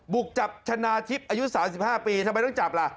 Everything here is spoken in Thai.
บุกจับชนะทิพย์อายุ๓๕ปีทำไมต้องจับล่ะ